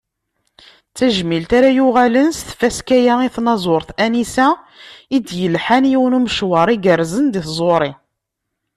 D tajmilt ara yuɣalen s tfaska-a i tnaẓurt Anisa i d-yelḥan yiwen n umecwar igerrzen di tẓuri.